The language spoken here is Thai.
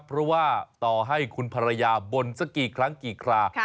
เพราะว่าต่อให้คุณภรรยาบ่นสักกี่ครั้งกี่ครา